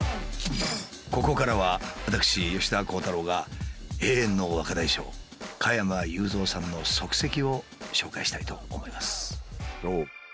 ここからは私吉田鋼太郎が永遠の若大将加山雄三さんの足跡をご紹介したいと思います。